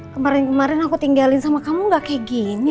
kemarin kemarin aku tinggalin sama kamu gak kayak gini